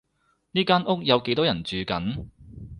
呢間屋有幾多人住緊？